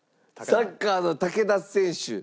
サッカーの武田選手。